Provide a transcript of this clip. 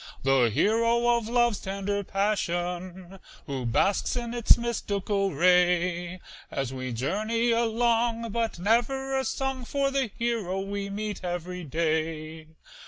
The hero of love's tender passion, Who basks in its mystical ray, As we journey along, but never a song For the hero we meet every day.